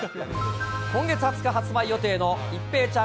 今月２０日発売予定の一平ちゃん